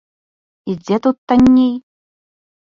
І дзе тут танней?